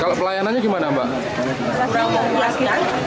kalau pelayanannya gimana mbak